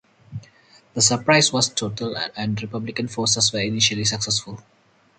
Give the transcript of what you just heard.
The surprise was total and Republican forces were initially successful.